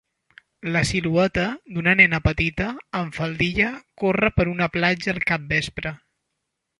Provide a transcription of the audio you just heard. La silueta d'una nena petita amb faldilla corre per una platja al capvespre.